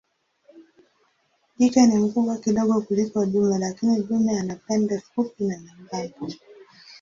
Jike ni mkubwa kidogo kuliko dume lakini dume ana pembe fupi na nyembamba.